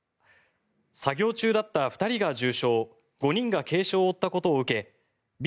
作業中だった２人が、重傷５人が軽傷を負ったことを受けＢ